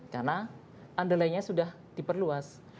karena underlyingnya sudah diperluas